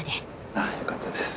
ああよかったです。